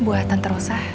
buat tante rosa